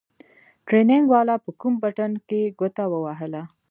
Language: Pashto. ټرېننگ والا په کوم بټن کښې گوته ووهله.